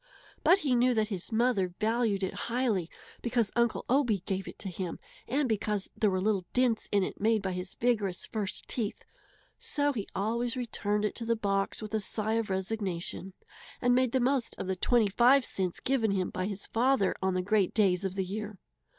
But he knew that his mother valued it highly because Uncle Obie gave it to him and because there were little dents in it made by his vigorous first teeth; so he always returned it to the box with a sigh of resignation, and made the most of the twenty five cents given him by his father on the great days of the year.